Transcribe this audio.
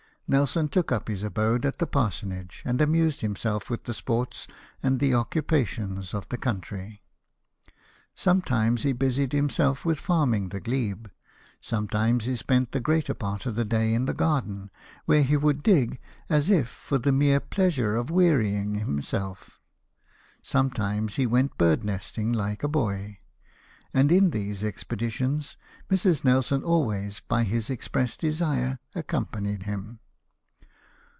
Nelson took up his abode at the parsonage, and amused himself with the sports and the occupations of the country. Sometimes he buried himself with farming the glebe ; sometimes spent the greater part of the day in the garden, where he would dig as if for the mere pleasure of wearying himself. Sometimes he went bird nesting, l,ike a boy ; and in these expeditions Mrs. Nelson always, by his express desire, accompanied him.